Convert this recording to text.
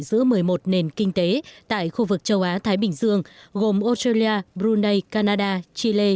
giữa một mươi một nền kinh tế tại khu vực châu á thái bình dương gồm australia brunei canada chile